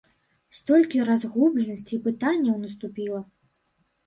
Столькі разгубленасці і пытанняў наступіла!